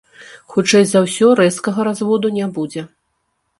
Хутчэй за ўсё, рэзкага разводу не будзе.